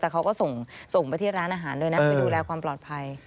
แต่เขาก็ส่งไปที่ร้านอาหารด้วยนะไปดูแลความปลอดภัย